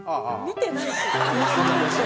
「見てないし」